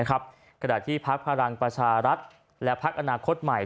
กระดาษที่พรรณประชารัฐและพรรคอนาคตใหม่